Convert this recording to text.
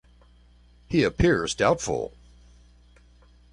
He appears doubtful.